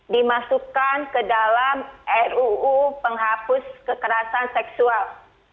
dimasukkan ke dalam ruu penghapus kekerasan seksual